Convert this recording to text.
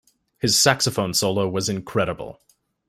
His saxophone solo was incredible.